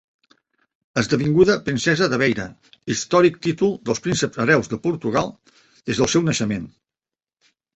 Esdevinguda princesa de Beira, històric títol dels prínceps hereus de Portugal, des del seu naixement.